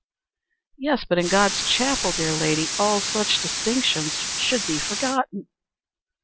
"Yes, but in God's chapel, dear lady, all such distinctions should be forgotten."